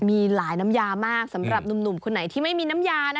มีหลายน้ำยามากสำหรับหนุ่มคนไหนที่ไม่มีน้ำยานะ